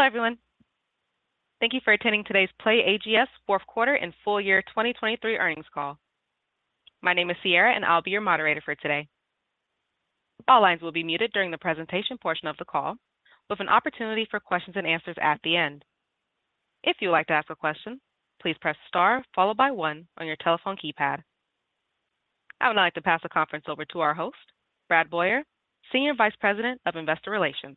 Hello everyone. Thank you for attending today's PlayAGS fourth quarter and full year 2023 Earnings Call. My name is Sierra, and I'll be your moderator for today. All lines will be muted during the presentation portion of the call, with an opportunity for questions and answers at the end. If you would like to ask a question, please press * followed by 1 on your telephone keypad. I would now like to pass the conference over to our host, Brad Boyer, Senior Vice President of Investor Relations.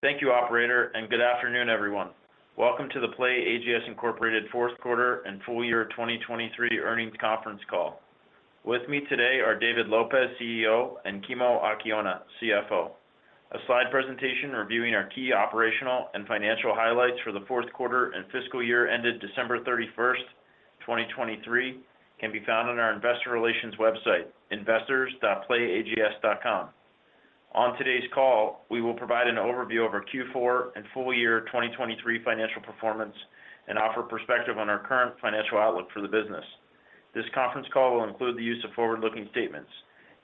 Thank you, Operator, and good afternoon, everyone. Welcome to the PlayAGS Incorporated fourth quarter and full year 2023 earnings conference call. With me today are David Lopez, CEO, and Kimo Akiona, CFO. A slide presentation reviewing our key operational and financial highlights for the fourth quarter and fiscal year ended December 31, 2023, can be found on our Investor Relations website, investors.playags.com. On today's call, we will provide an overview of our Q4 and full year 2023 financial performance and offer perspective on our current financial outlook for the business. This conference call will include the use of forward-looking statements.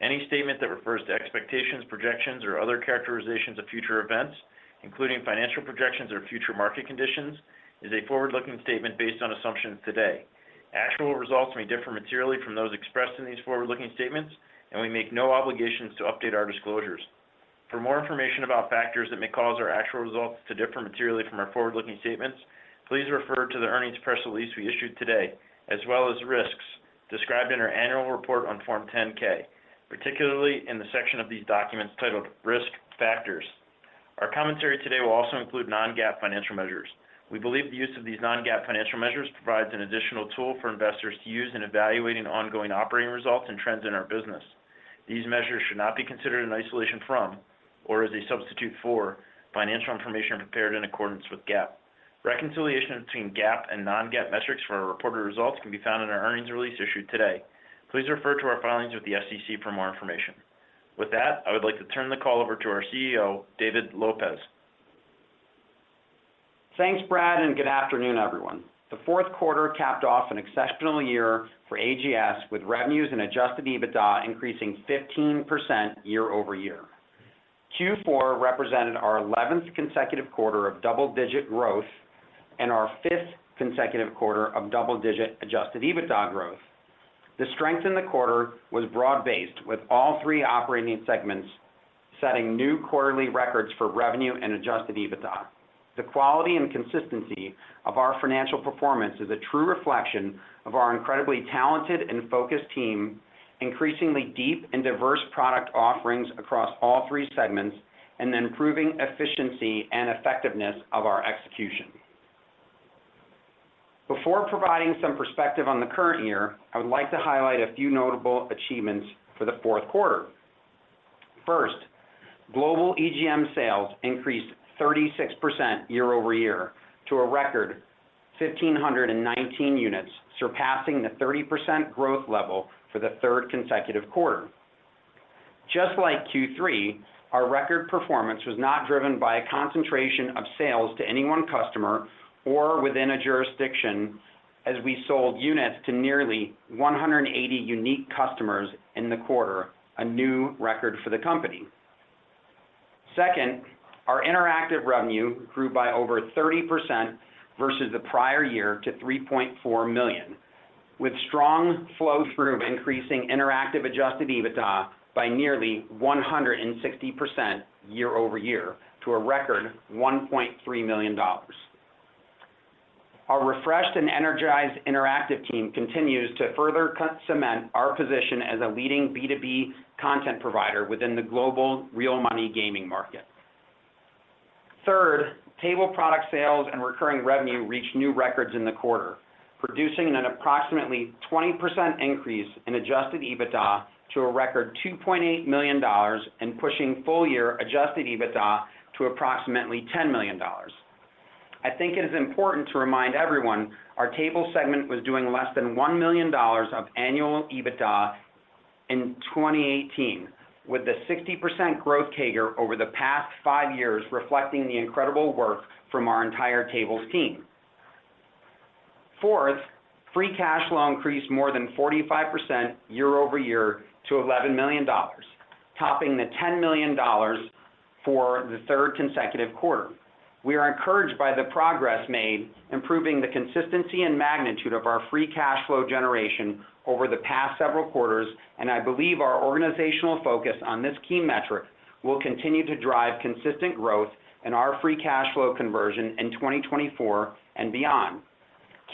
Any statement that refers to expectations, projections, or other characterizations of future events, including financial projections or future market conditions, is a forward-looking statement based on assumptions today. Actual results may differ materially from those expressed in these forward-looking statements, and we make no obligations to update our disclosures. For more information about factors that may cause our actual results to differ materially from our forward-looking statements, please refer to the earnings press release we issued today, as well as risks described in our annual report on Form 10-K, particularly in the section of these documents titled Risk Factors. Our commentary today will also include non-GAAP financial measures. We believe the use of these non-GAAP financial measures provides an additional tool for investors to use in evaluating ongoing operating results and trends in our business. These measures should not be considered in isolation from, or as a substitute for, financial information prepared in accordance with GAAP. Reconciliation between GAAP and non-GAAP metrics for our reported results can be found in our earnings release issued today. Please refer to our filings with the SEC for more information. With that, I would like to turn the call over to our CEO, David Lopez. Thanks, Brad, and good afternoon, everyone. The fourth quarter capped off an exceptional year for AGS, with revenues and Adjusted EBITDA increasing 15% year-over-year. Q4 represented our 11th consecutive quarter of double-digit growth and our 5th consecutive quarter of double-digit Adjusted EBITDA growth. The strength in the quarter was broad-based, with all three operating segments setting new quarterly records for revenue and Adjusted EBITDA. The quality and consistency of our financial performance is a true reflection of our incredibly talented and focused team, increasingly deep and diverse product offerings across all three segments, and improving efficiency and effectiveness of our execution. Before providing some perspective on the current year, I would like to highlight a few notable achievements for the fourth quarter. First, global EGM sales increased 36% year-over-year to a record 1,519 units, surpassing the 30% growth level for the third consecutive quarter. Just like Q3, our record performance was not driven by a concentration of sales to any one customer or within a jurisdiction, as we sold units to nearly 180 unique customers in the quarter, a new record for the company. Second, our interactive revenue grew by over 30% versus the prior year to $3.4 million, with strong flow-through increasing interactive Adjusted EBITDA by nearly 160% year-over-year to a record $1.3 million. Our refreshed and energized interactive team continues to further cement our position as a leading B2B content provider within the global real-money gaming market. Third, table product sales and recurring revenue reached new records in the quarter, producing an approximately 20% increase in Adjusted EBITDA to a record $2.8 million and pushing full-year Adjusted EBITDA to approximately $10 million. I think it is important to remind everyone our table segment was doing less than $1 million of annual EBITDA in 2018, with the 60% growth CAGR over the past five years reflecting the incredible work from our entire tables team. Fourth, free cash flow increased more than 45% year-over-year to $11 million, topping the $10 million for the third consecutive quarter. We are encouraged by the progress made, improving the consistency and magnitude of our free cash flow generation over the past several quarters, and I believe our organizational focus on this key metric will continue to drive consistent growth in our free cash flow conversion in 2024 and beyond.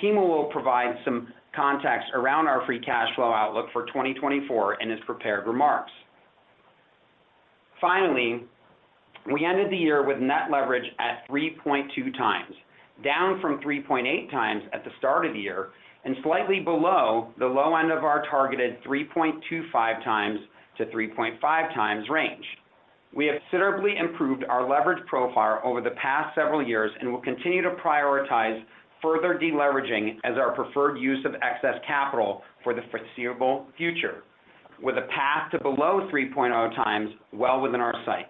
Kimo will provide some context around our free cash flow outlook for 2024 in his prepared remarks. Finally, we ended the year with net leverage at 3.2x, down from 3.8x at the start of the year and slightly below the low end of our targeted 3.25x-3.5x range. We have considerably improved our leverage profile over the past several years and will continue to prioritize further deleveraging as our preferred use of excess capital for the foreseeable future, with a path to below 3.0x well within our sight.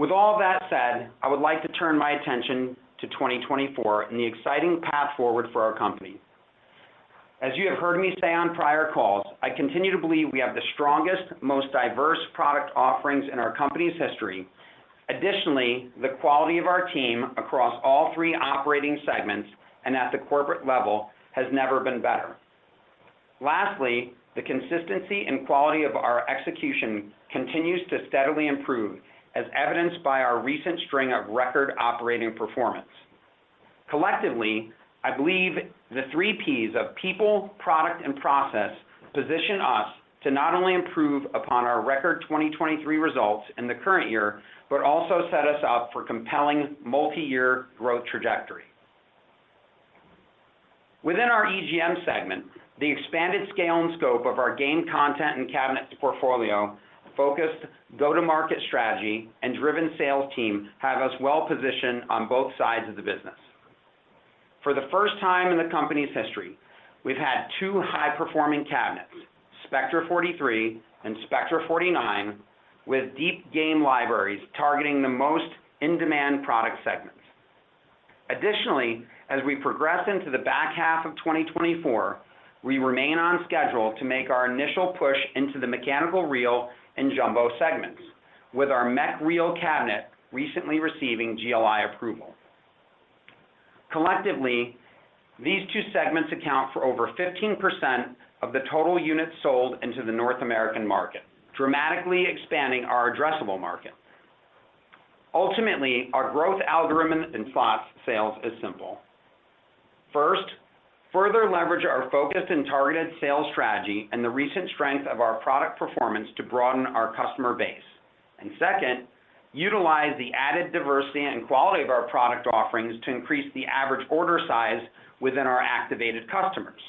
With all that said, I would like to turn my attention to 2024 and the exciting path forward for our company. As you have heard me say on prior calls, I continue to believe we have the strongest, most diverse product offerings in our company's history. Additionally, the quality of our team across all three operating segments and at the corporate level has never been better. Lastly, the consistency and quality of our execution continues to steadily improve, as evidenced by our recent string of record operating performance. Collectively, I believe the three P's of People, Product, and Process position us to not only improve upon our record 2023 results in the current year but also set us up for compelling multi-year growth trajectory. Within our EGM segment, the expanded scale and scope of our game content and cabinet portfolio, focused go-to-market strategy, and driven sales team have us well positioned on both sides of the business. For the first time in the company's history, we've had two high-performing cabinets, Spectra 43 and Spectra 49, with deep game libraries targeting the most in-demand product segments. Additionally, as we progress into the back half of 2024, we remain on schedule to make our initial push into the mechanical reel and premium segments, with our mech reel cabinet recently receiving GLI approval. Collectively, these two segments account for over 15% of the total units sold into the North American market, dramatically expanding our addressable market. Ultimately, our growth algorithm in slots sales is simple. First, further leverage our focused and targeted sales strategy and the recent strength of our product performance to broaden our customer base. And second, utilize the added diversity and quality of our product offerings to increase the average order size within our activated customers.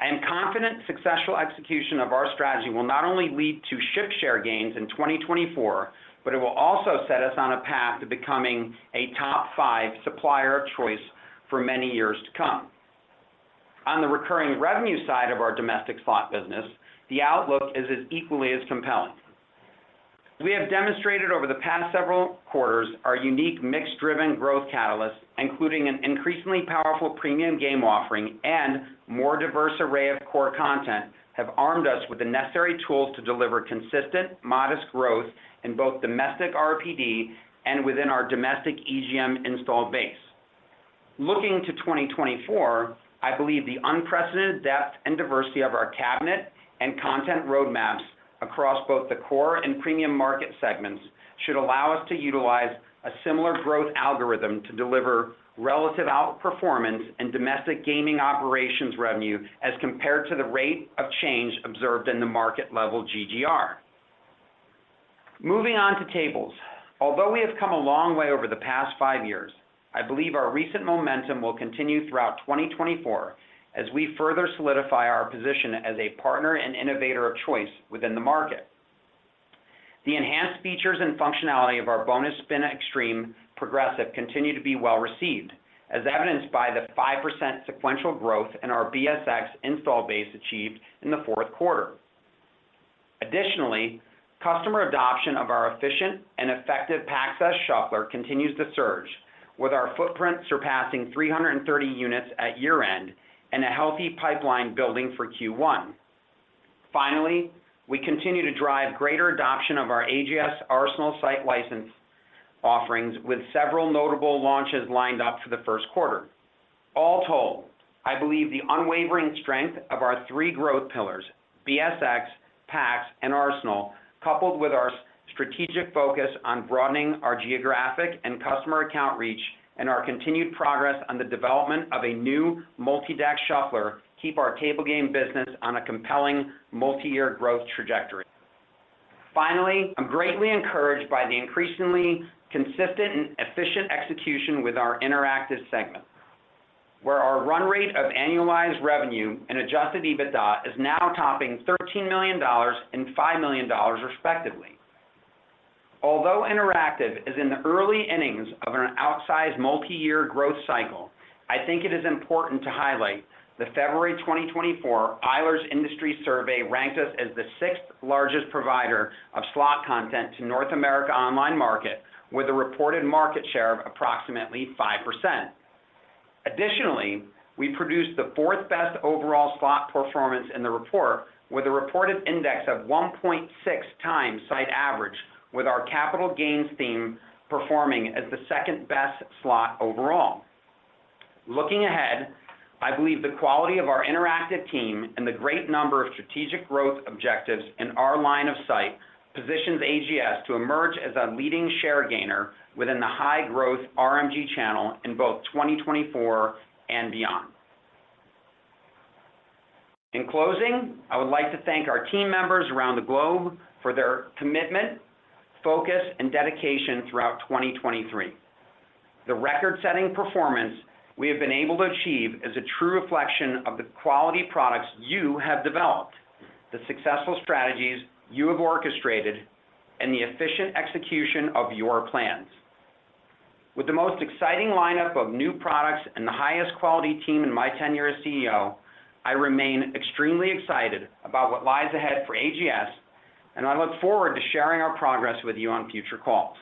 I am confident successful execution of our strategy will not only lead to ship share gains in 2024, but it will also set us on a path to becoming a top five supplier of choice for many years to come. On the recurring revenue side of our domestic slot business, the outlook is as equally as compelling. We have demonstrated over the past several quarters our unique mix-driven growth catalysts, including an increasingly powerful premium game offering and a more diverse array of core content, have armed us with the necessary tools to deliver consistent, modest growth in both domestic RPD and within our domestic EGM install base. Looking to 2024, I believe the unprecedented depth and diversity of our cabinet and content roadmaps across both the core and premium market segments should allow us to utilize a similar growth algorithm to deliver relative outperformance in domestic gaming operations revenue as compared to the rate of change observed in the market-level GGR. Moving on to tables, although we have come a long way over the past five years, I believe our recent momentum will continue throughout 2024 as we further solidify our position as a partner and innovator of choice within the market. The enhanced features and functionality of our Bonus Spin Xtreme progressive continue to be well received, as evidenced by the 5% sequential growth in our BSX install base achieved in the fourth quarter. Additionally, customer adoption of our efficient and effective PAX S shuffler continues to surge, with our footprint surpassing 330 units at year-end and a healthy pipeline building for Q1. Finally, we continue to drive greater adoption of our AGS Arsenal site license offerings, with several notable launches lined up for the first quarter. All told, I believe the unwavering strength of our three growth pillars, BSX, PAX S, and Arsenal, coupled with our strategic focus on broadening our geographic and customer account reach and our continued progress on the development of a new multi-deck shuffler, keep our table game business on a compelling multi-year growth trajectory. Finally, I'm greatly encouraged by the increasingly consistent and efficient execution with our interactive segment, where our run rate of annualized revenue and Adjusted EBITDA is now topping $13 million and $5 million, respectively. Although interactive is in the early innings of an outsized multi-year growth cycle, I think it is important to highlight the February 2024 Eilers Industry Survey ranked us as the sixth-largest provider of slot content to North America online market, with a reported market share of approximately 5%. Additionally, we produced the fourth-best overall slot performance in the report, with a reported index of 1.6 times site average, with our Capital Gains theme performing as the second-best slot overall. Looking ahead, I believe the quality of our interactive team and the great number of strategic growth objectives in our line of sight positions AGS to emerge as a leading share gainer within the high-growth RMG channel in both 2024 and beyond. In closing, I would like to thank our team members around the globe for their commitment, focus, and dedication throughout 2023. The record-setting performance we have been able to achieve is a true reflection of the quality products you have developed, the successful strategies you have orchestrated, and the efficient execution of your plans. With the most exciting lineup of new products and the highest quality team in my tenure as CEO, I remain extremely excited about what lies ahead for AGS, and I look forward to sharing our progress with you on future calls.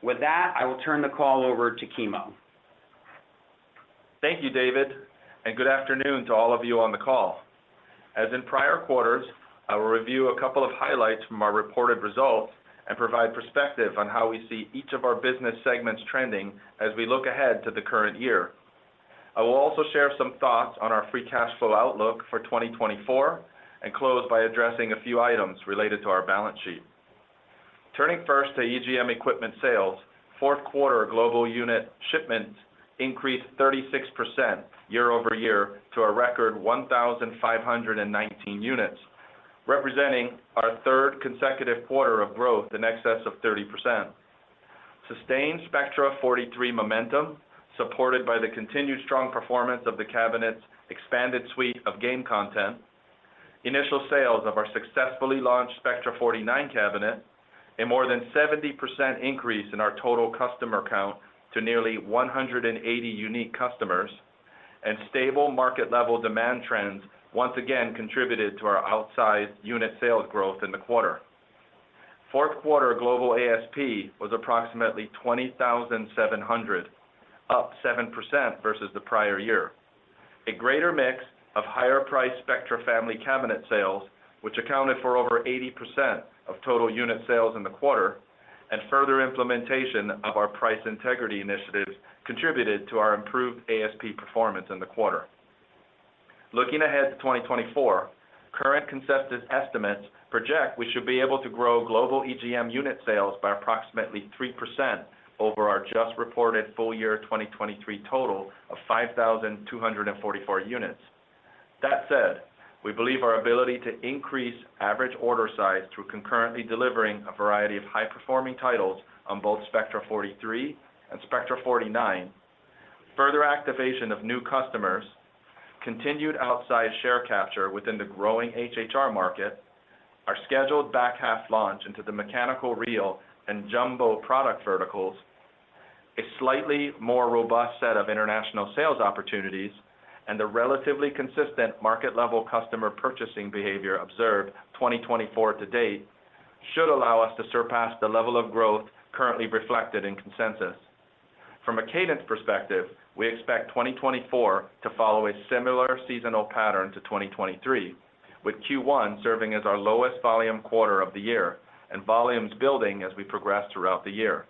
With that, I will turn the call over to Kimo. Thank you, David, and good afternoon to all of you on the call. As in prior quarters, I will review a couple of highlights from our reported results and provide perspective on how we see each of our business segments trending as we look ahead to the current year. I will also share some thoughts on our free cash flow outlook for 2024 and close by addressing a few items related to our balance sheet. Turning first to EGM equipment sales, fourth quarter global unit shipments increased 36% year-over-year to a record 1,519 units, representing our third consecutive quarter of growth in excess of 30%. Sustained Spectra 43 momentum, supported by the continued strong performance of the cabinet's expanded suite of game content, initial sales of our successfully launched Spectra 49 cabinet, a more than 70% increase in our total customer count to nearly 180 unique customers, and stable market-level demand trends once again contributed to our outsized unit sales growth in the quarter. Fourth quarter global ASP was approximately $20,700, up 7% versus the prior year. A greater mix of higher-priced Spectra family cabinet sales, which accounted for over 80% of total unit sales in the quarter, and further implementation of our price integrity initiatives contributed to our improved ASP performance in the quarter. Looking ahead to 2024, current consensus estimates project we should be able to grow global EGM unit sales by approximately 3% over our just reported full-year 2023 total of 5,244 units. That said, we believe our ability to increase average order size through concurrently delivering a variety of high-performing titles on both Spectra 43 and Spectra 49, further activation of new customers, continued outsized share capture within the growing HHR market, our scheduled back half launch into the mechanical reel and premium product verticals, a slightly more robust set of international sales opportunities, and the relatively consistent market-level customer purchasing behavior observed 2024 to date should allow us to surpass the level of growth currently reflected in consensus. From a cadence perspective, we expect 2024 to follow a similar seasonal pattern to 2023, with Q1 serving as our lowest volume quarter of the year and volumes building as we progress throughout the year.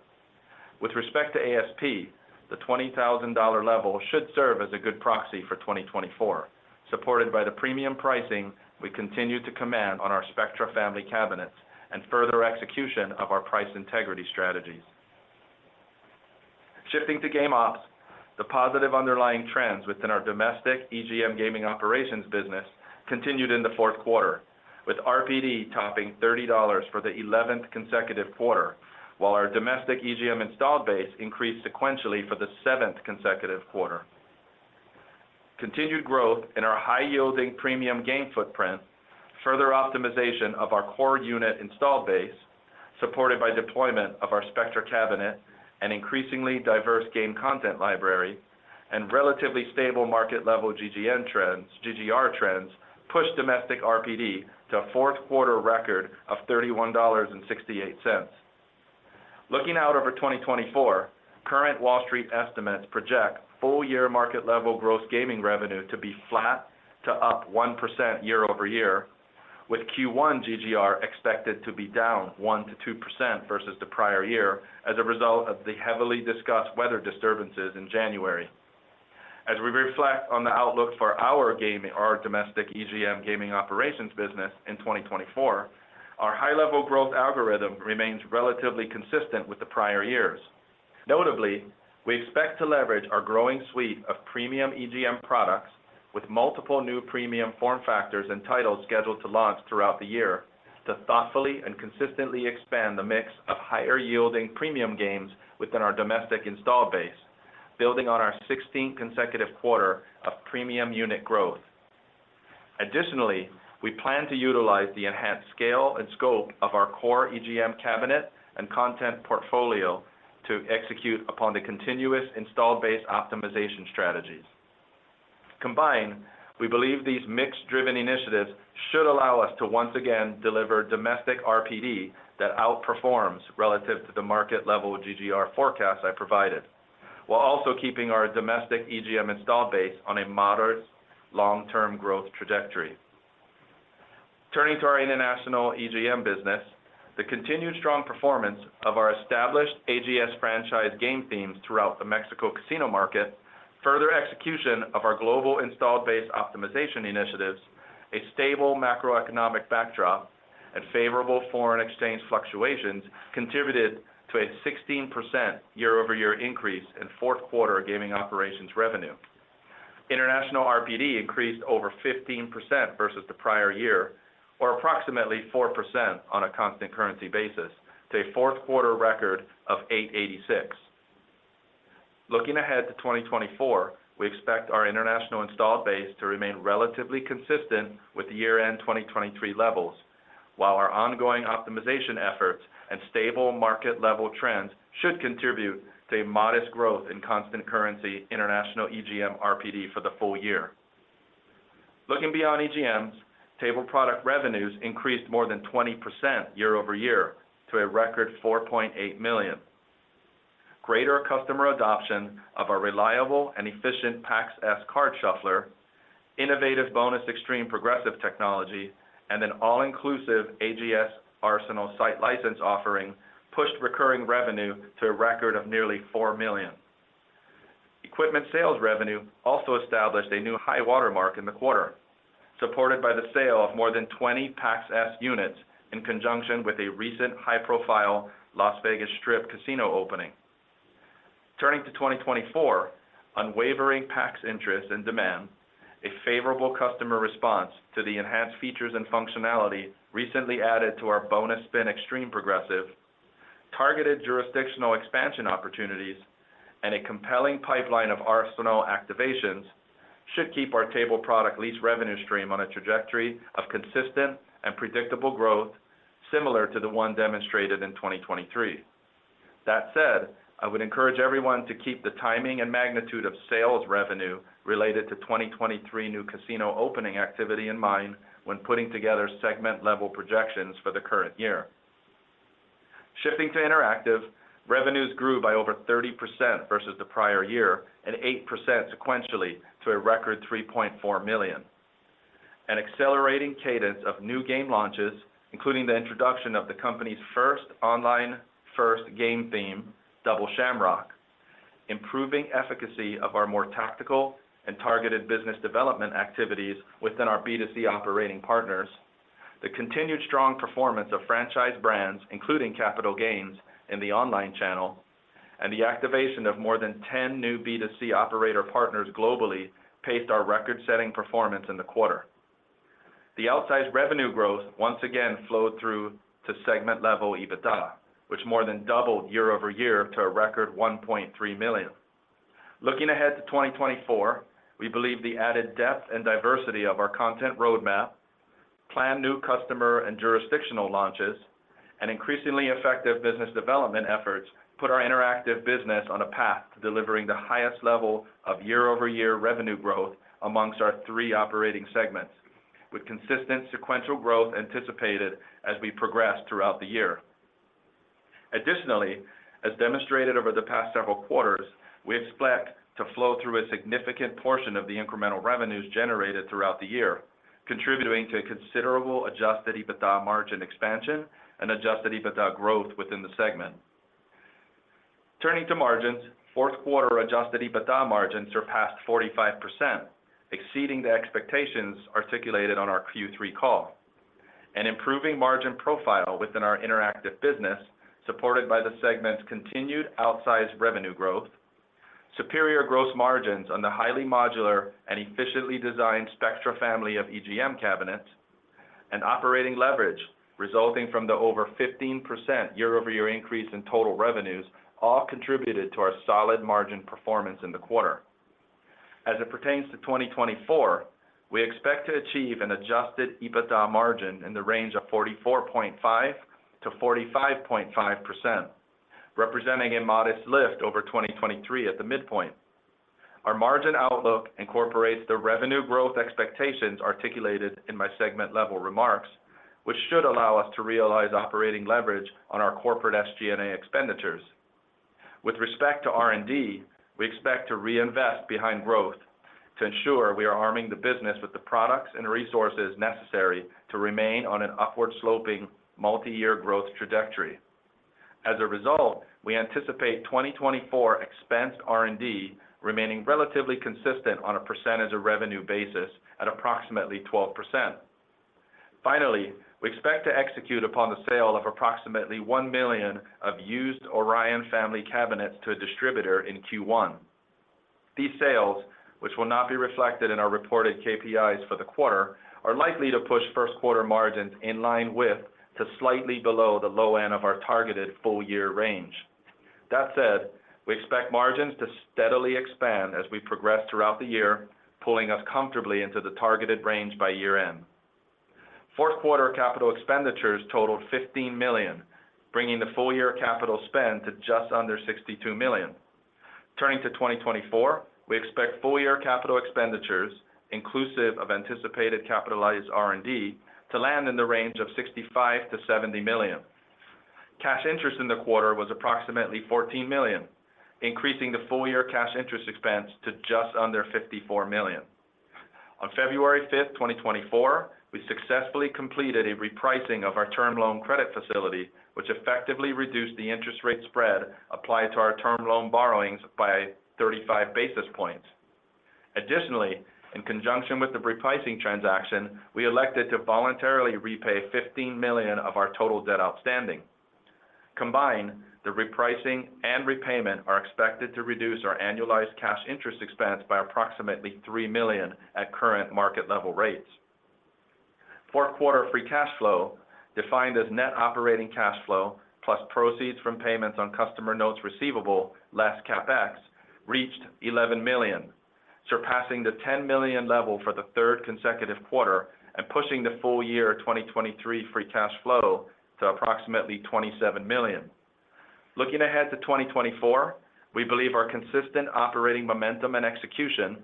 With respect to ASP, the $20,000 level should serve as a good proxy for 2024, supported by the premium pricing we continue to command on our Spectra family cabinets and further execution of our price integrity strategies. Shifting to game ops, the positive underlying trends within our domestic EGM gaming operations business continued in the fourth quarter, with RPD topping $30 for the 11th consecutive quarter, while our domestic EGM install base increased sequentially for the seventh consecutive quarter. Continued growth in our high-yielding premium game footprint, further optimization of our core unit install base supported by deployment of our Spectra cabinet and increasingly diverse game content library, and relatively stable market-level GGR trends pushed domestic RPD to a fourth-quarter record of $31.68. Looking out over 2024, current Wall Street estimates project full-year market-level gross gaming revenue to be flat to up 1% year-over-year, with Q1 GGR expected to be down 1%-2% versus the prior year as a result of the heavily discussed weather disturbances in January. As we reflect on the outlook for our domestic EGM gaming operations business in 2024, our high-level growth algorithm remains relatively consistent with the prior years. Notably, we expect to leverage our growing suite of premium EGM products with multiple new premium form factors and titles scheduled to launch throughout the year to thoughtfully and consistently expand the mix of higher-yielding premium games within our domestic install base, building on our 16th consecutive quarter of premium unit growth. Additionally, we plan to utilize the enhanced scale and scope of our core EGM cabinet and content portfolio to execute upon the continuous install base optimization strategies. Combined, we believe these mix-driven initiatives should allow us to once again deliver domestic RPD that outperforms relative to the market-level GGR forecasts I provided, while also keeping our domestic EGM install base on a moderate long-term growth trajectory. Turning to our international EGM business, the continued strong performance of our established AGS franchise game themes throughout the Mexico casino market, further execution of our global install base optimization initiatives, a stable macroeconomic backdrop, and favorable foreign exchange fluctuations contributed to a 16% year-over-year increase in fourth-quarter gaming operations revenue. International RPD increased over 15% versus the prior year, or approximately 4% on a constant currency basis, to a fourth-quarter record of 886. Looking ahead to 2024, we expect our international install base to remain relatively consistent with year-end 2023 levels, while our ongoing optimization efforts and stable market-level trends should contribute to a modest growth in constant currency international EGM RPD for the full year. Looking beyond EGMs, table product revenues increased more than 20% year-over-year to a record $4.8 million. Greater customer adoption of our reliable and efficient PAX S card shuffler, innovative Bonus Spin Xtreme progressive technology, and an all-inclusive AGS Arsenal site license offering pushed recurring revenue to a record of nearly $4 million. Equipment sales revenue also established a new high watermark in the quarter, supported by the sale of more than 20 PAX S units in conjunction with a recent high-profile Las Vegas Strip casino opening. Turning to 2024, unwavering PAX interest and demand, a favorable customer response to the enhanced features and functionality recently added to our Bonus Spin Xtreme progressive, targeted jurisdictional expansion opportunities, and a compelling pipeline of Arsenal activations should keep our table product lease revenue stream on a trajectory of consistent and predictable growth similar to the one demonstrated in 2023. That said, I would encourage everyone to keep the timing and magnitude of sales revenue related to 2023 new casino opening activity in mind when putting together segment-level projections for the current year. Shifting to interactive, revenues grew by over 30% versus the prior year and 8% sequentially to a record $3.4 million. An accelerating cadence of new game launches, including the introduction of the company's first online first game theme, Double Shamrock, improving efficacy of our more tactical and targeted business development activities within our B2C operating partners, the continued strong performance of franchise brands, including Capital Gains, in the online channel, and the activation of more than 10 new B2C operator partners globally paced our record-setting performance in the quarter. The outsized revenue growth once again flowed through to segment-level EBITDA, which more than doubled year-over-year to a record $1.3 million. Looking ahead to 2024, we believe the added depth and diversity of our content roadmap, planned new customer and jurisdictional launches, and increasingly effective business development efforts put our interactive business on a path to delivering the highest level of year-over-year revenue growth amongst our three operating segments, with consistent sequential growth anticipated as we progress throughout the year. Additionally, as demonstrated over the past several quarters, we expect to flow through a significant portion of the incremental revenues generated throughout the year, contributing to considerable Adjusted EBITDA margin expansion and Adjusted EBITDA growth within the segment. Turning to margins, fourth-quarter Adjusted EBITDA margins surpassed 45%, exceeding the expectations articulated on our Q3 call. An improving margin profile within our interactive business, supported by the segment's continued outsized revenue growth, superior gross margins on the highly modular and efficiently designed Spectra family of EGM cabinets, and operating leverage resulting from the over 15% year-over-year increase in total revenues all contributed to our solid margin performance in the quarter. As it pertains to 2024, we expect to achieve an Adjusted EBITDA margin in the range of 44.5%-45.5%, representing a modest lift over 2023 at the midpoint. Our margin outlook incorporates the revenue growth expectations articulated in my segment-level remarks, which should allow us to realize operating leverage on our corporate SG&A expenditures. With respect to R&D, we expect to reinvest behind growth to ensure we are arming the business with the products and resources necessary to remain on an upward-sloping multi-year growth trajectory. As a result, we anticipate 2024 expensed R&D remaining relatively consistent on a percentage of revenue basis at approximately 12%. Finally, we expect to execute upon the sale of approximately 1 million of used Orion family cabinets to a distributor in Q1. These sales, which will not be reflected in our reported KPIs for the quarter, are likely to push first-quarter margins in line with to slightly below the low end of our targeted full-year range. That said, we expect margins to steadily expand as we progress throughout the year, pulling us comfortably into the targeted range by year-end. Fourth-quarter capital expenditures totaled $15 million, bringing the full-year capital spend to just under $62 million. Turning to 2024, we expect full-year capital expenditures, inclusive of anticipated capitalized R&D, to land in the range of $65 million-$70 million. Cash interest in the quarter was approximately $14 million, increasing the full-year cash interest expense to just under $54 million. On February 5, 2024, we successfully completed a repricing of our term loan credit facility, which effectively reduced the interest rate spread applied to our term loan borrowings by 35 basis points. Additionally, in conjunction with the repricing transaction, we elected to voluntarily repay $15 million of our total debt outstanding. Combined, the repricing and repayment are expected to reduce our annualized cash interest expense by approximately $3 million at current market-level rates. Fourth-quarter free cash flow, defined as net operating cash flow plus proceeds from payments on customer notes receivable, less CapEx, reached $11 million, surpassing the $10 million level for the third consecutive quarter and pushing the full-year 2023 free cash flow to approximately $27 million. Looking ahead to 2024, we believe our consistent operating momentum and execution,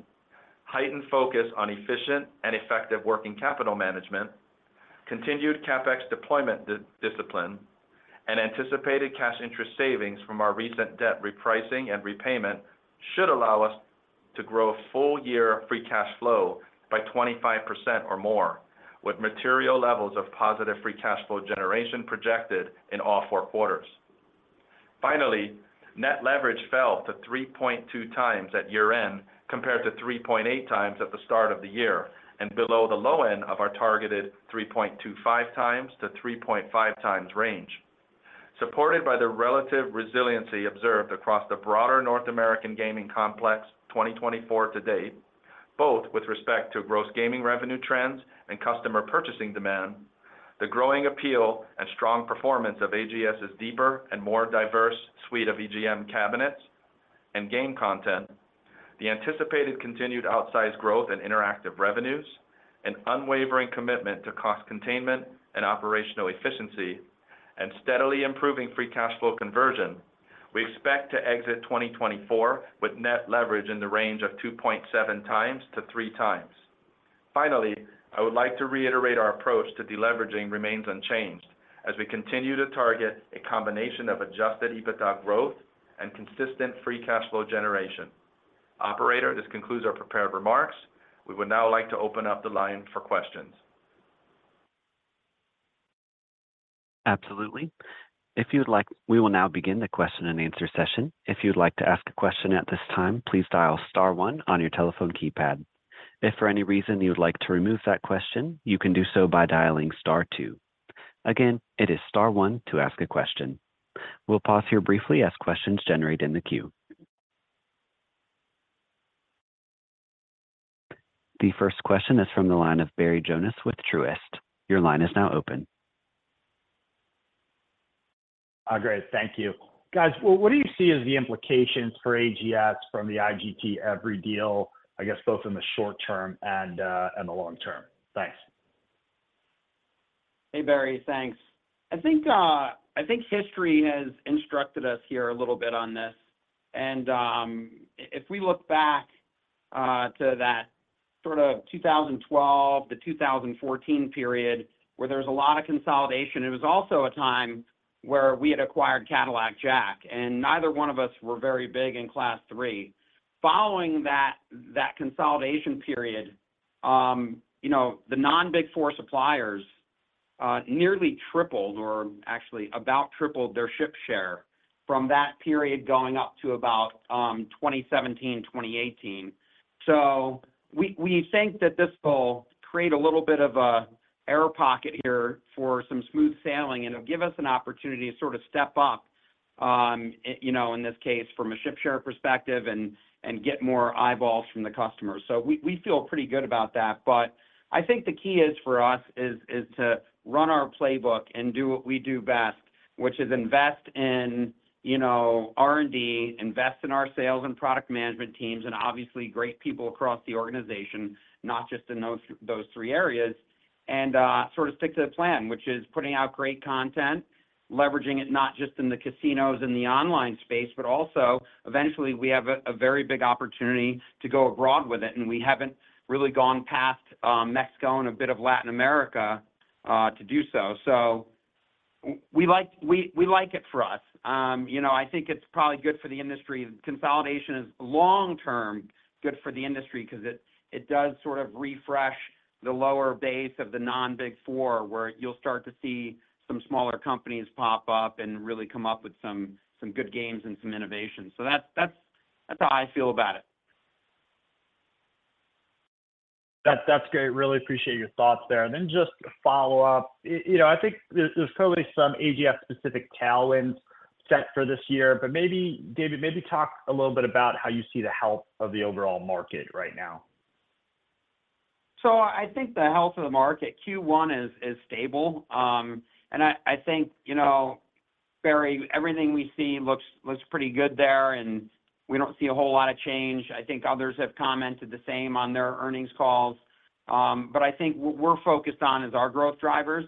heightened focus on efficient and effective working capital management, continued CapEx deployment discipline, and anticipated cash interest savings from our recent debt repricing and repayment should allow us to grow full-year free cash flow by 25% or more, with material levels of positive free cash flow generation projected in all four quarters. Finally, net leverage fell to 3.2x at year-end compared to 3.8x at the start of the year and below the low end of our targeted 3.25x-3.5x range, supported by the relative resiliency observed across the broader North American gaming complex 2024 to date, both with respect to gross gaming revenue trends and customer purchasing demand, the growing appeal and strong performance of AGS's deeper and more diverse suite of EGM cabinets and game content, the anticipated continued outsized growth in interactive revenues, an unwavering commitment to cost containment and operational efficiency, and steadily improving free cash flow conversion, we expect to exit 2024 with net leverage in the range of 2.7x-3x. Finally, I would like to reiterate our approach to deleveraging remains unchanged as we continue to target a combination of Adjusted EBITDA growth and consistent free cash flow generation. Operator, this concludes our prepared remarks. We would now like to open up the line for questions. Absolutely. If you would like, we will now begin the question-and-answer session. If you would like to ask a question at this time, please dial star 1 on your telephone keypad. If for any reason you would like to remove that question, you can do so by dialing star 2. Again, it is star 1 to ask a question. We'll pause here briefly as questions generate in the queue. The first question is from the line of Barry Jonas with Truist. Your line is now open. Great. Thank you. Guys, what do you see as the implications for AGS from the IGT-Everi deal, I guess both in the short term and the long term? Thanks. Hey, Barry. Thanks. I think history has instructed us here a little bit on this. If we look back to that sort of 2012-2014 period where there was a lot of consolidation, it was also a time where we had acquired Cadillac Jack, and neither one of us were very big in Class III. Following that consolidation period, the non-Big Four suppliers nearly tripled or actually about tripled their ship share from that period going up to about 2017-2018. So we think that this will create a little bit of an air pocket here for some smooth sailing and give us an opportunity to sort of step up, in this case, from a ship share perspective and get more eyeballs from the customers. So we feel pretty good about that. But I think the key is for us is to run our playbook and do what we do best, which is invest in R&D, invest in our sales and product management teams, and obviously great people across the organization, not just in those three areas, and sort of stick to the plan, which is putting out great content, leveraging it not just in the casinos and the online space, but also eventually, we have a very big opportunity to go abroad with it. And we haven't really gone past Mexico and a bit of Latin America to do so. So we like it for us. I think it's probably good for the industry. Consolidation is long-term good for the industry because it does sort of refresh the lower base of the non-Big Four where you'll start to see some smaller companies pop up and really come up with some good games and some innovation. So that's how I feel about it. That's great. Really appreciate your thoughts there. And then just a follow-up. I think there's probably some AGS-specific tailwinds set for this year. But maybe, David, maybe talk a little bit about how you see the health of the overall market right now. So I think the health of the market Q1 is stable. And I think, Barry, everything we see looks pretty good there, and we don't see a whole lot of change. I think others have commented the same on their earnings calls. But I think what we're focused on is our growth drivers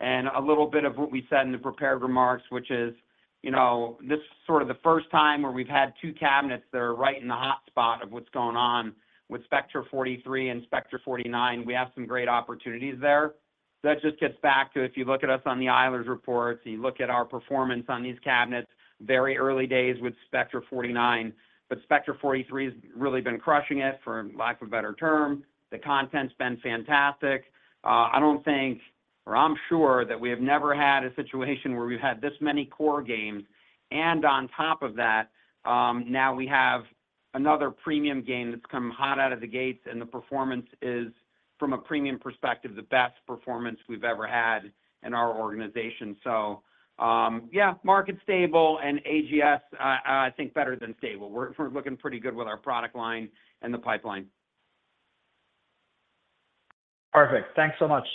and a little bit of what we said in the prepared remarks, which is this is sort of the first time where we've had two cabinets that are right in the hotspot of what's going on with Spectra 43 and Spectra 49. We have some great opportunities there. That just gets back to if you look at us on the Eilers reports and you look at our performance on these cabinets, very early days with Spectra 49. But Spectra 43 has really been crushing it, for lack of a better term. The content's been fantastic. I don't think or I'm sure that we have never had a situation where we've had this many core games. On top of that, now we have another premium game that's come hot out of the gates, and the performance is, from a premium perspective, the best performance we've ever had in our organization. So yeah, market stable and AGS, I think, better than stable. We're looking pretty good with our product line and the pipeline. Perfect. Thanks so much.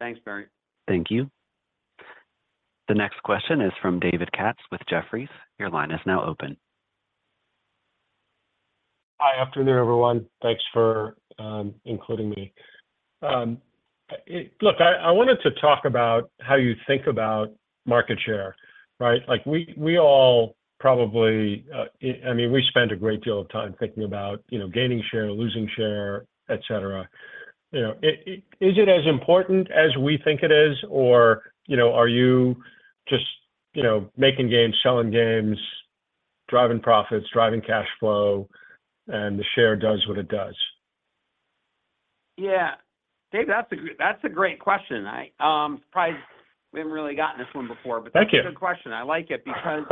Thanks, Barry. Thank you. The next question is from David Katz with Jefferies. Your line is now open. Hi. Afternoon, everyone. Thanks for including me. Look, I wanted to talk about how you think about market share, right? We all probably I mean, we spend a great deal of time thinking about gaining share, losing share, etc. Is it as important as we think it is, or are you just making games, selling games, driving profits, driving cash flow, and the share does what it does? Yeah. David, that's a great question. I'm surprised we haven't really gotten this one before, but that's a good question. I like it because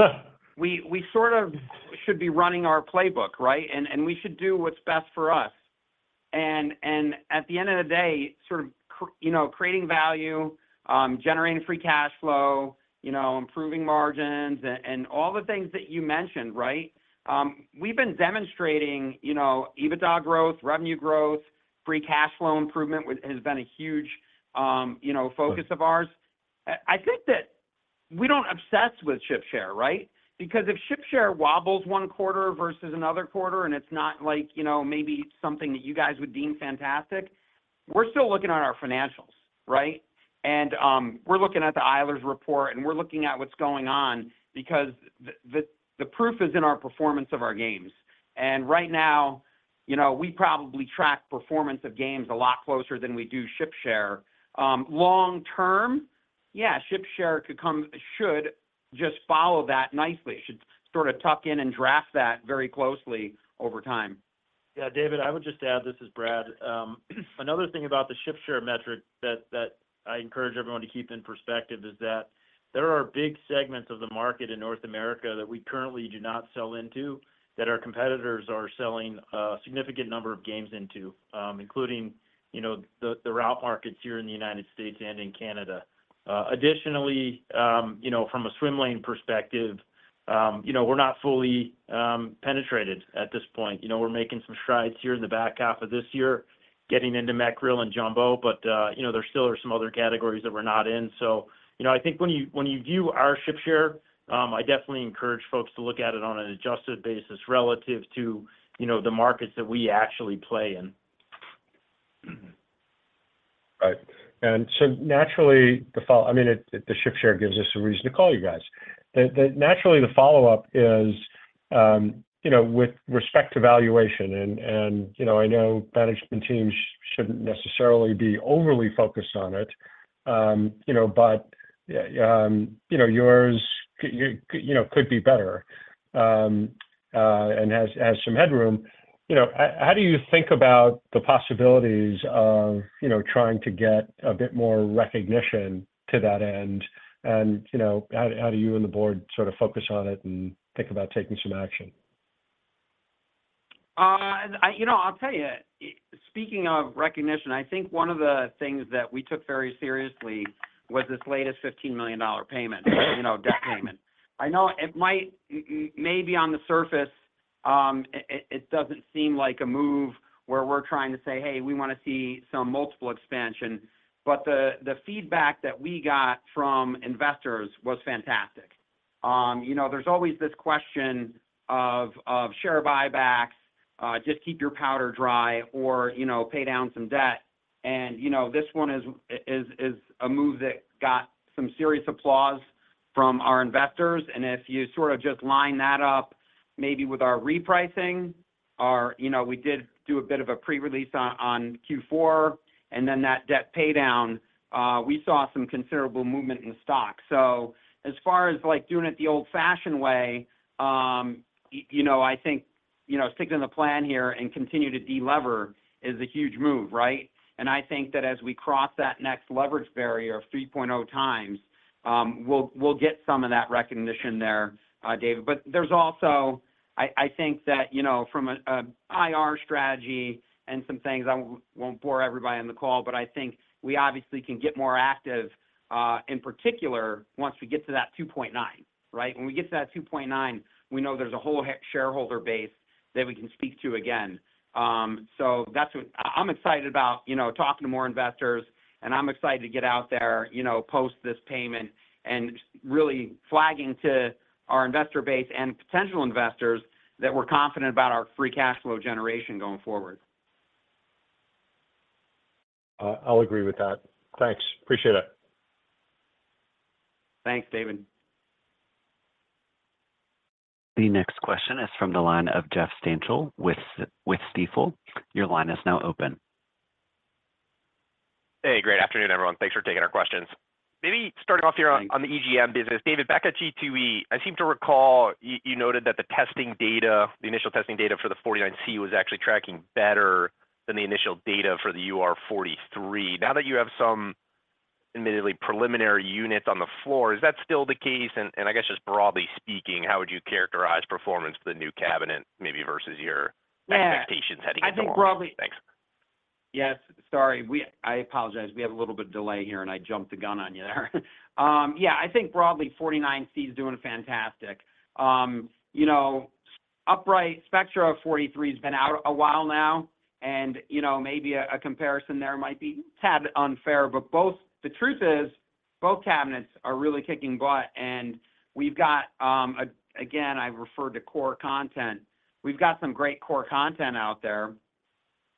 we sort of should be running our playbook, right? And we should do what's best for us. And at the end of the day, sort of creating value, generating free cash flow, improving margins, and all the things that you mentioned, right? We've been demonstrating EBITDA growth, revenue growth, free cash flow improvement has been a huge focus of ours. I think that we don't obsess with ship share, right? Because if ship share wobbles one quarter versus another quarter, and it's not maybe something that you guys would deem fantastic, we're still looking at our financials, right? And we're looking at the Eilers report, and we're looking at what's going on because the proof is in our performance of our games. Right now, we probably track performance of games a lot closer than we do ship share. Long term, yeah, ship share should just follow that nicely. It should sort of tuck in and draft that very closely over time. Yeah. David, I would just add - this is Brad - another thing about the ship share metric that I encourage everyone to keep in perspective is that there are big segments of the market in North America that we currently do not sell into that our competitors are selling a significant number of games into, including the route markets here in the United States and in Canada. Additionally, from a swim lane perspective, we're not fully penetrated at this point. We're making some strides here in the back half of this year, getting into mech reel and premium, but there still are some other categories that we're not in. So I think when you view our ship share, I definitely encourage folks to look at it on an adjusted basis relative to the markets that we actually play in. Right. And so naturally, the follow-up, I mean, the ship share gives us a reason to call you guys. Naturally, the follow-up is with respect to valuation. And I know management teams shouldn't necessarily be overly focused on it, but yours could be better and has some headroom. How do you think about the possibilities of trying to get a bit more recognition to that end? And how do you and the board sort of focus on it and think about taking some action? I'll tell you, speaking of recognition, I think one of the things that we took very seriously was this latest $15 million payment, debt payment. I know it might maybe on the surface, it doesn't seem like a move where we're trying to say, "Hey, we want to see some multiple expansion." But the feedback that we got from investors was fantastic. There's always this question of share buybacks, just keep your powder dry, or pay down some debt. And this one is a move that got some serious applause from our investors. And if you sort of just line that up maybe with our repricing - we did do a bit of a pre-release on Q4 - and then that debt paydown, we saw some considerable movement in stock. As far as doing it the old-fashioned way, I think sticking to the plan here and continue to delever is a huge move, right? I think that as we cross that next leverage barrier of 3.0x, we'll get some of that recognition there, David. There's also I think that from an IR strategy and some things, I won't bore everybody on the call, but I think we obviously can get more active in particular once we get to that 2.9x, right? When we get to that 2.9x, we know there's a whole shareholder base that we can speak to again. I'm excited about talking to more investors, and I'm excited to get out there post this payment and really flagging to our investor base and potential investors that we're confident about our free cash flow generation going forward. I'll agree with that. Thanks. Appreciate it. Thanks, David. The next question is from the line of Jeff Stantial with Stifel. Your line is now open. Hey. Great afternoon, everyone. Thanks for taking our questions. Maybe starting off here on the EGM business, David, back at G2E, I seem to recall you noted that the initial testing data for the 49C was actually tracking better than the initial data for the UR43. Now that you have some admittedly preliminary units on the floor, is that still the case? And I guess just broadly speaking, how would you characterize performance for the new cabinet maybe versus your expectations heading into March? I think broadly. Thanks. Yes. Sorry. I apologize. We have a little bit of delay here, and I jumped the gun on you there. Yeah. I think broadly, 49C is doing fantastic. Upright, Spectra 43 has been out a while now, and maybe a comparison there might be a tad unfair. But the truth is, both cabinets are really kicking butt. And we've got again, I referred to core content. We've got some great core content out there,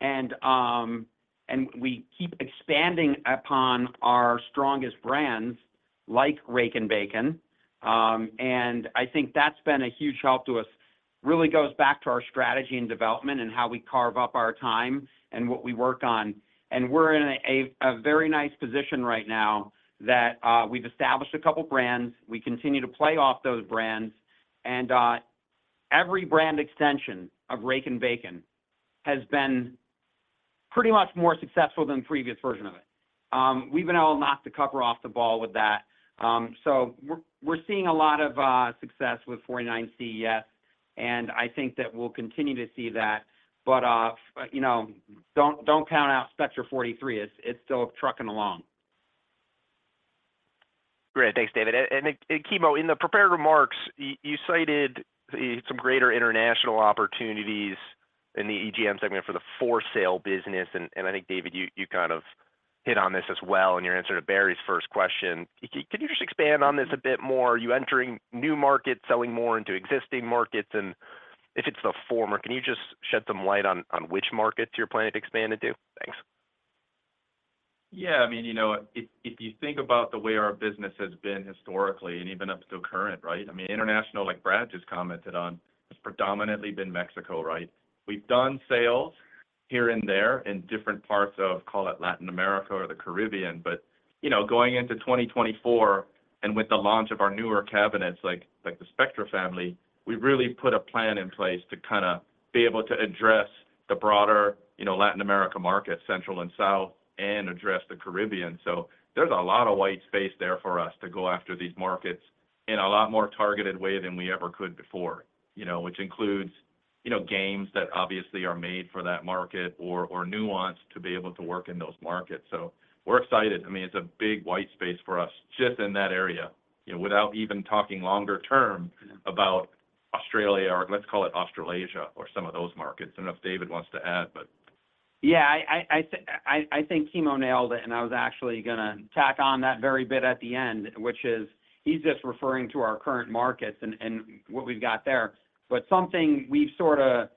and we keep expanding upon our strongest brands like Rakin' Bacon. And I think that's been a huge help to us. Really goes back to our strategy and development and how we carve up our time and what we work on. And we're in a very nice position right now that we've established a couple of brands. We continue to play off those brands. Every brand extension of Rakin' Bacon has been pretty much more successful than the previous version of it. We've been able to knock the cover off the ball with that. We're seeing a lot of success with 49C, yes. I think that we'll continue to see that. Don't count out Spectra 43. It's still trucking along. Great. Thanks, David. And Kimo, in the prepared remarks, you cited some greater international opportunities in the EGM segment for the for-sale business. And I think, David, you kind of hit on this as well in your answer to Barry's first question. Could you just expand on this a bit more? Are you entering new markets, selling more into existing markets? And if it's the former, can you just shed some light on which markets you're planning to expand into? Thanks. Yeah. I mean, if you think about the way our business has been historically and even up to current, right? I mean, international, like Brad just commented on, it's predominantly been Mexico, right? We've done sales here and there in different parts of, call it, Latin America or the Caribbean. But going into 2024 and with the launch of our newer cabinets like the Spectra family, we've really put a plan in place to kind of be able to address the broader Latin America markets, Central and South, and address the Caribbean. So there's a lot of white space there for us to go after these markets in a lot more targeted way than we ever could before, which includes games that obviously are made for that market or nuance to be able to work in those markets. So we're excited. I mean, it's a big white space for us just in that area without even talking longer term about Australia or let's call it Australasia or some of those markets. I don't know if David wants to add, but. Yeah. I think Kimo nailed it. I was actually going to tack on that very bit at the end, which is he's just referring to our current markets and what we've got there. Something we've sort of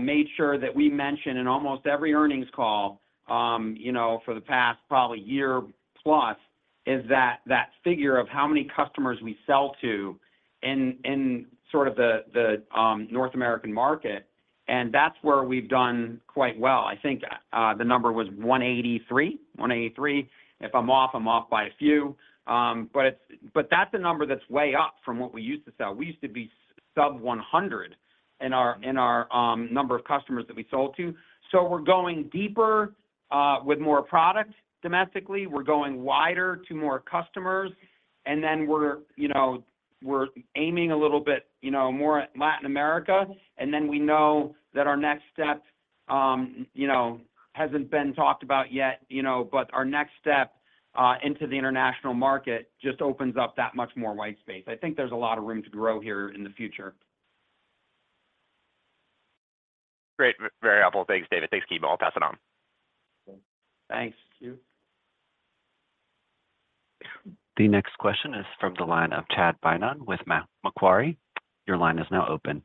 made sure that we mention in almost every earnings call for the past probably year-plus is that figure of how many customers we sell to in sort of the North American market. That's where we've done quite well. I think the number was 183. 183. If I'm off, I'm off by a few. That's a number that's way up from what we used to sell. We used to be sub-100 in our number of customers that we sold to. We're going deeper with more product domestically. We're going wider to more customers. Then we're aiming a little bit more at Latin America. Then we know that our next step hasn't been talked about yet, but our next step into the international market just opens up that much more white space. I think there's a lot of room to grow here in the future. Great. Very helpful. Thanks, David. Thanks, Kimo. I'll pass it on. Thanks. Thank you. The next question is from the line of Chad Beynon with Macquarie. Your line is now open.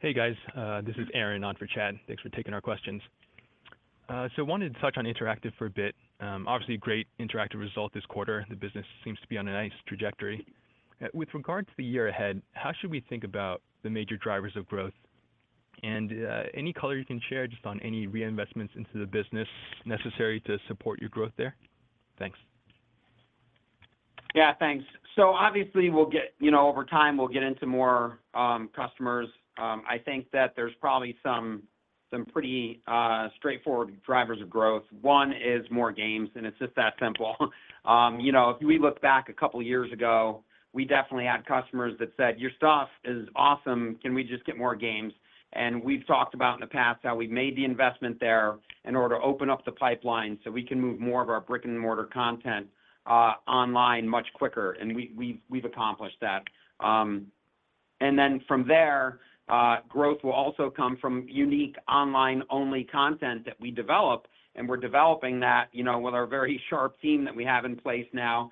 Hey, guys. This is Aaron on for Chad. Thanks for taking our questions. I wanted to touch on Interactive for a bit. Obviously, great Interactive result this quarter. The business seems to be on a nice trajectory. With regard to the year ahead, how should we think about the major drivers of growth? And any color you can share just on any reinvestments into the business necessary to support your growth there? Thanks. Yeah. Thanks. Obviously, over time, we'll get into more customers. I think that there's probably some pretty straightforward drivers of growth. One is more games, and it's just that simple. If we look back a couple of years ago, we definitely had customers that said, "Your stuff is awesome. Can we just get more games?" And we've talked about in the past how we made the investment there in order to open up the pipeline so we can move more of our brick-and-mortar content online much quicker. And we've accomplished that. And then from there, growth will also come from unique online-only content that we develop. And we're developing that with our very sharp team that we have in place now.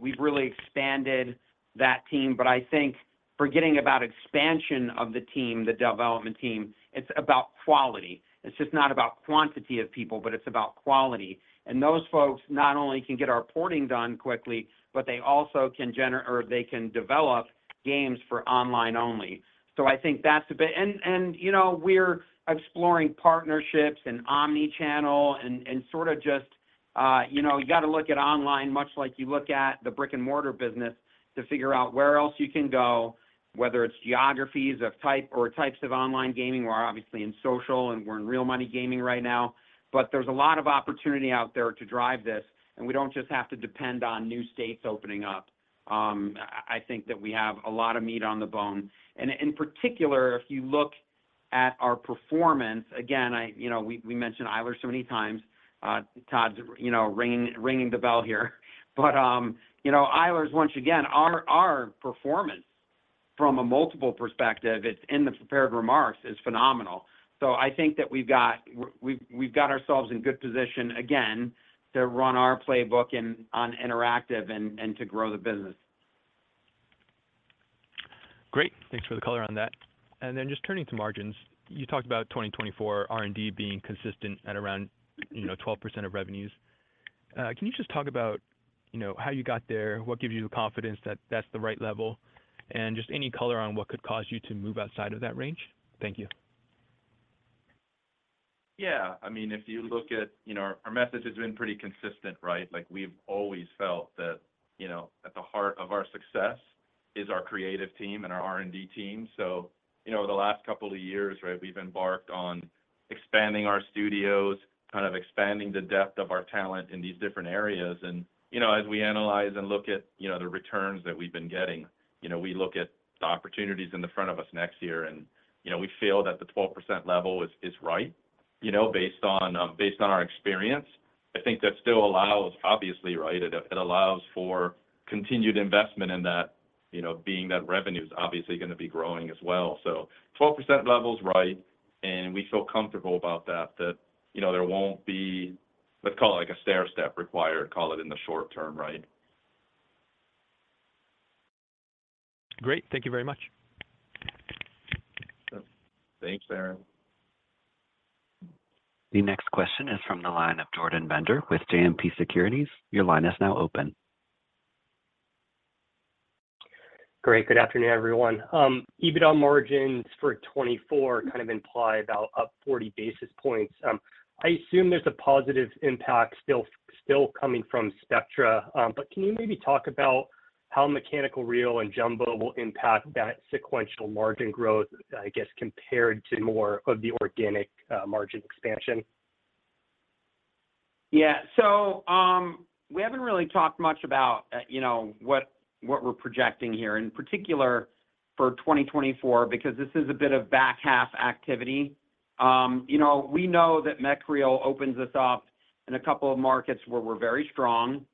We've really expanded that team. But I think forgetting about expansion of the team, the development team, it's about quality. It's just not about quantity of people, but it's about quality. And those folks not only can get our porting done quickly, but they also can or they can develop games for online only. So I think that's a bit and we're exploring partnerships and omnichannel and sort of just you got to look at online much like you look at the brick-and-mortar business to figure out where else you can go, whether it's geographies or types of online gaming. We're obviously in social, and we're in real-money gaming right now. But there's a lot of opportunity out there to drive this. And we don't just have to depend on new states opening up. I think that we have a lot of meat on the bone. And in particular, if you look at our performance again, we mentioned Eilers so many times. Todd's ringing the bell here. But Eilers', once again, our performance from a multiples perspective, it's in the prepared remarks, is phenomenal. So I think that we've got ourselves in good position again to run our playbook on Interactive and to grow the business. Great. Thanks for the color on that. And then just turning to margins, you talked about 2024 R&D being consistent at around 12% of revenues. Can you just talk about how you got there? What gives you the confidence that that's the right level? And just any color on what could cause you to move outside of that range? Thank you. Yeah. I mean, if you look at our message has been pretty consistent, right? We've always felt that at the heart of our success is our creative team and our R&D team. So over the last couple of years, right, we've embarked on expanding our studios, kind of expanding the depth of our talent in these different areas. And as we analyze and look at the returns that we've been getting, we look at the opportunities in front of us next year. And we feel that the 12% level is right based on our experience. I think that still allows, obviously, right, it allows for continued investment in that being that revenue is obviously going to be growing as well. So 12% level's right, and we feel comfortable about that, that there won't be, let's call it, a stairstep required, call it, in the short term, right? Great. Thank you very much. Thanks, Aaron. The next question is from the line of Jordan Bender with JMP Securities. Your line is now open. Great. Good afternoon, everyone. EBITDA margins for 2024 kind of imply about up 40 basis points. I assume there's a positive impact still coming from Spectra. But can you maybe talk about how Mechanical Reel and premium will impact that sequential margin growth, I guess, compared to more of the organic margin expansion? Yeah. So we haven't really talked much about what we're projecting here, in particular for 2024 because this is a bit of back half activity. We know that mech reel opens us up in a couple of markets where we're very strong.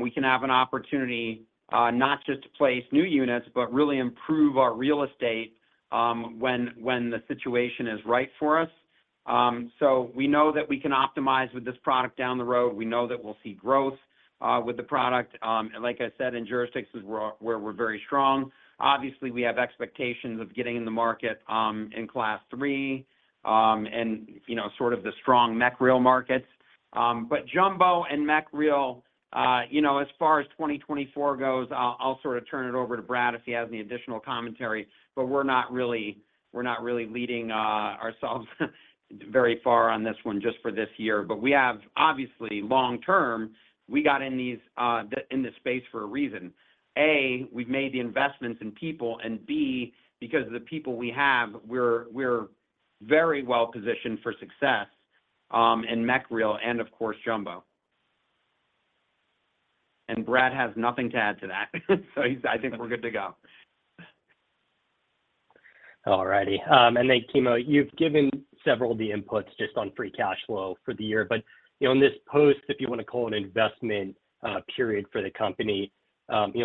We can have an opportunity not just to place new units but really improve our real estate when the situation is right for us. So we know that we can optimize with this product down the road. We know that we'll see growth with the product. Like I said, in jurisdictions where we're very strong, obviously, we have expectations of getting in the market in Class III and sort of the strong mech reel markets. But premium and mech reel, as far as 2024 goes, I'll sort of turn it over to Brad if he has any additional commentary. But we're not really leading ourselves very far on this one just for this year. But we have, obviously, long-term, we got in this space for a reason. A, we've made the investments in people. And B, because of the people we have, we're very well-positioned for success in mech reel and, of course, premium. And Brad has nothing to add to that. So I think we're good to go. All righty. And then, Kimo, you've given several of the inputs just on free cash flow for the year. But in this post, if you want to call it an investment period for the company, 17%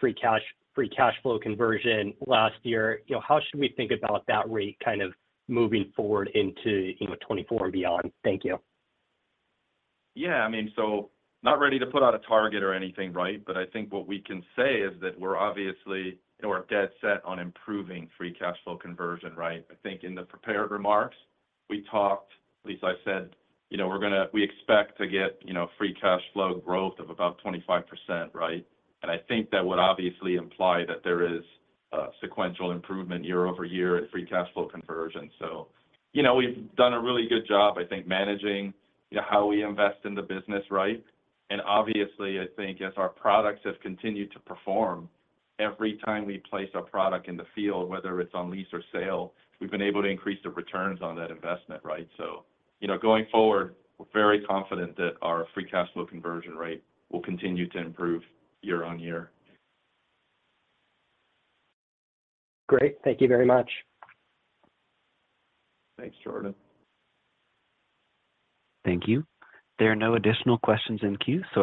free cash flow conversion last year, how should we think about that rate kind of moving forward into 2024 and beyond? Thank you. Yeah. I mean, so not ready to put out a target or anything, right? But I think what we can say is that we're obviously dead set on improving free cash flow conversion, right? I think in the prepared remarks, we talked, at least I said, we're going to, we expect to get free cash flow growth of about 25%, right? And I think that would obviously imply that there is sequential improvement year-over-year in free cash flow conversion. So we've done a really good job, I think, managing how we invest in the business, right? And obviously, I think as our products have continued to perform, every time we place our product in the field, whether it's on lease or sale, we've been able to increase the returns on that investment, right? Going forward, we're very confident that our free cash flow conversion rate will continue to improve year-over-year. Great. Thank you very much. Thanks, Jordan. Thank you. There are no additional questions in queue, so.